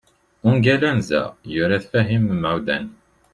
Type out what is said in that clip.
ungal anza, yura-t Fahim Meɛudan